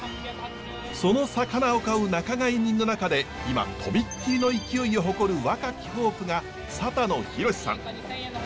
その魚を買う仲買人の中で今飛びっ切りの勢いを誇る若きホープが佐田野寛司さん。